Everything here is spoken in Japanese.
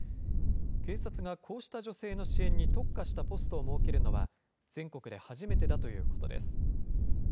警察がこうした女性の支援に特化したポストを設けるのは、全国で初めてだということです。